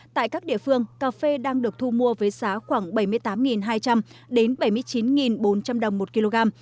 tại các địa phương cà phê đang được thu mua với giá khoảng bảy mươi tám hai trăm linh đến bảy mươi chín bốn trăm linh đồng một kg